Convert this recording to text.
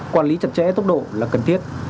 quản lý chặt chẽ tốc độ là cần thiết